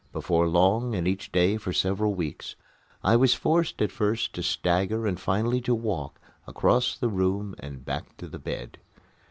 Before long and each day for several weeks I was forced at first to stagger and finally to walk across the room and back to the bed.